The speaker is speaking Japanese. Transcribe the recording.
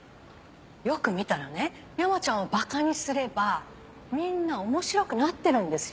よく見たらね山ちゃんをばかにすればみんな面白くなってるんですよ。